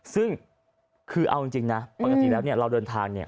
ซึ่งคือเอาจริงนะปกติแล้วเราเดินทาง